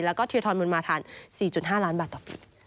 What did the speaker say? แล้วก็เทียร์ทรมนต์มาทัน๔๕ล้านบาทต่อปี